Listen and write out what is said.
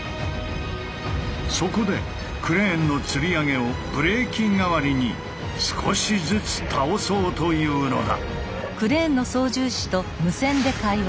そこでクレーンのつり上げをブレーキ代わりに少しずつ倒そうというのだ。